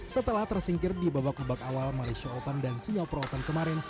setelah tersingkir di babak babak awal malaysia open dan singapura open kemarin